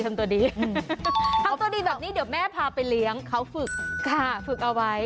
ทำตัวดีแบบนี้เดี๋ยวแม่พาไปเลี้ยงเขาฝึกค่ะฝึกเอาไว้